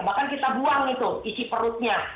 bahkan kita buang itu isi perutnya